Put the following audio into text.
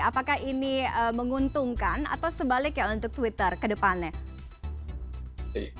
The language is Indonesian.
apakah ini menguntungkan atau sebaliknya untuk twitter ke depannya